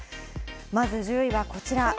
まず１０位はこちら。